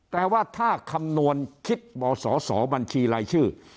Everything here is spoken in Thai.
แต่ว่าถ้าคำนวณคิดบสสบัญชีรายชื่อ